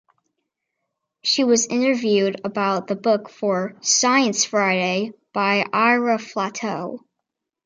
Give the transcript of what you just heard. She was interviewed about the book for "Science Friday" by Ira Flatow.